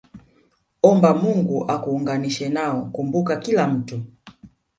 omba Mungu akuunganishe nao Kumbuka kila mtu